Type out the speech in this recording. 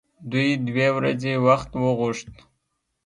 دوی دوې ورځې وخت وغوښت.